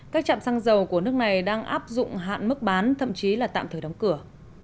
các trạm xăng dầu của nước này đang áp dụng hạn mức bán thậm chí là tạm thời đóng cửa